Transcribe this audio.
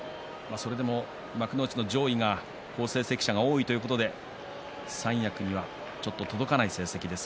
それでも幕内の上位が好成績者が多いということで三役にはちょっと届かない成績です。